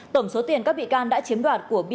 tổng số tiền các bị can đã chiếm đoạt của bị